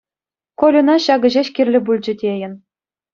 Кольӑна ҫакӑ ҫеҫ кирлӗ пулчӗ тейӗн.